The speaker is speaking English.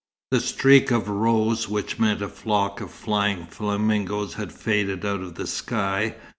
The streak of rose which meant a flock of flying flamingoes had faded out of the sky.